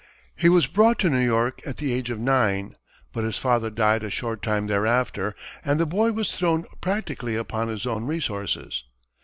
He was brought to New York at the age of nine; but his father died a short time thereafter and the boy was thrown practically upon his own resources.